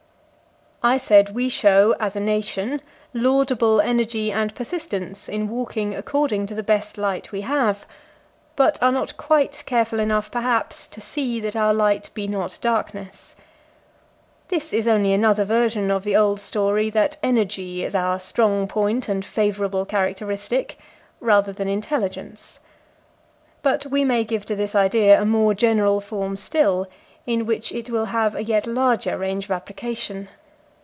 I said we show, as a nation, laudable energy and persistence in walking according to the best light we have, but are not quite careful enough, perhaps, to see that our light be not darkness. This is only another version of the old story that energy is our strong point and favourable characteristic, rather than intelligence. But we may give to this idea a more general form still, in which it will have a yet larger range of application.